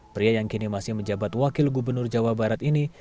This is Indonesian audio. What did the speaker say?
pria yang kini masih menjabat wakil gubernur jawa barat ini